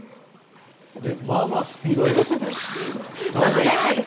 まあまあスピードありますよね。